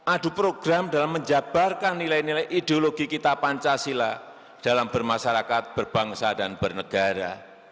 adu program dalam menjabarkan nilai nilai ideologi kita pancasila dalam bermasyarakat berbangsa dan bernegara